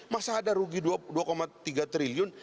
masa ada rugi dua tiga triliun